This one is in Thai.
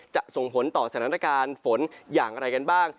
ส่งผลต่อสถานการณ์ฝนอย่างไรกันบ้าง